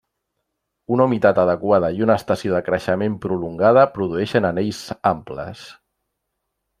Una humitat adequada i una estació de creixement prolongada produeixen anells amples.